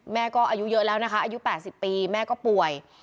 แม่ก็อายุเยอะแล้วนะคะอายุ๘๐ปีแม่ก็ป่วย